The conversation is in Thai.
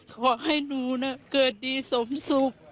ขอให้หนูเกิดดีสมสุข